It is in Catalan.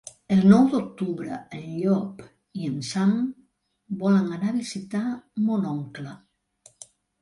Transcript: El nou d'octubre en Llop i en Sam volen anar a visitar mon oncle.